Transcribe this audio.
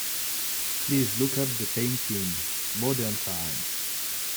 Please look up the painting, Modern times.